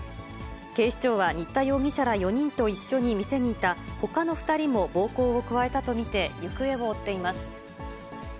警視庁は新田容疑者ら４人と一緒に店にいた、ほかの２人も暴行を加えたと見て行方を追っています。